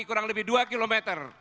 kurang lebih dua km